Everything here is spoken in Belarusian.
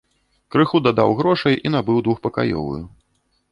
Крыху дадаў грошай і набыў двухпакаёвую.